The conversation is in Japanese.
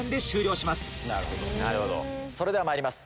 それではまいります。